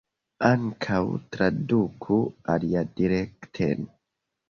Ankaŭ traduku aliadirekten.